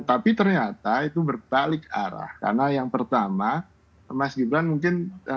tapi ternyata itu berbalik arah karena yang pertama mas gibran mungkin